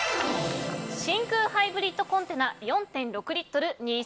真空ハイブリッドコンテナ４．６リットル。